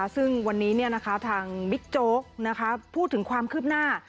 ซึ่งวันนี้ทางบิ๊กโจ๊กพูดถึงความคืบหน้า